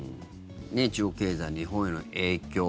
中国経済、日本への影響。